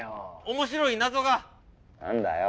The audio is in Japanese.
面白い謎が何だよ